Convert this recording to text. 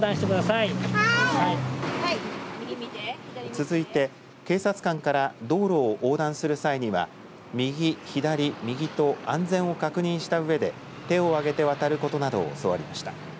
続いて警察官から道路を横断する際には右、左、右と安全を確認した上で手を上げて渡ることなどを教わりました。